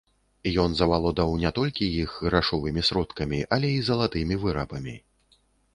Ён завалодаў не толькі іх грашовымі сродкамі, але і залатымі вырабамі.